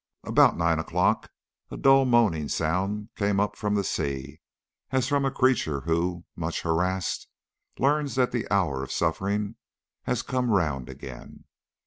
About nine o'clock a dull moaning sound came up from the sea, as from a creature who, much harassed, learns that the hour of suffering has come round again.